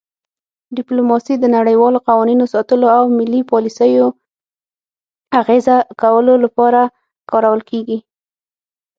ډیپلوماسي د نړیوالو قوانینو ساتلو او ملي پالیسیو اغیزه کولو لپاره کارول کیږي